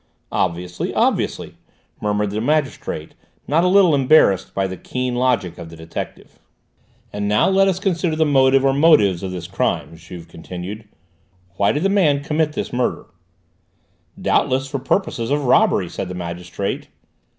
"Obviously, obviously!" murmured the magistrate, not a little embarrassed by the keen logic of the detective. "And now let us consider the motive or motives of the crime," Juve continued. "Why did the man commit this murder?" "Doubtless for purposes of robbery," said the magistrate.